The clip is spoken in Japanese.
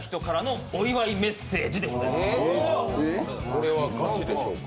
これはガチでしょうか？